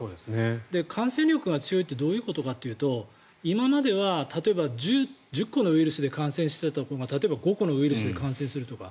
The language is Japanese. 感染力が強いってどういうことかというと今までは、例えば１０個のウイルスで感染していたところが例えば、５個のウイルスで感染するとか。